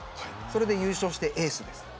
それで優勝していてエースです。